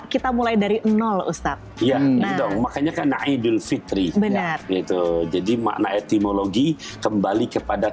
kita mulai dari nol ustadz ya itu makanya karena idul fitri itu jadi makna etimologi kembali kepada